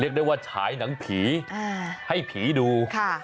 ได้ว่าฉายหนังผีให้ผีดู